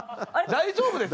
大丈夫です。